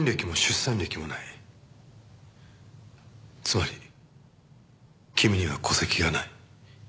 つまり君には戸籍がない。